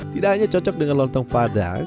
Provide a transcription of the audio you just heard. tidak hanya cocok dengan lontong padang